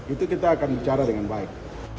itu kita akan bicara dengan baik